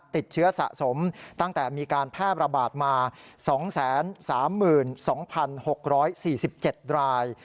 ติดเชื้อสะสมตั้งแต่มีการแพร่ระบาดมา๒๓๒๖๔๗ราย